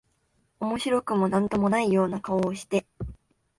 面白くも何とも無いような顔をして、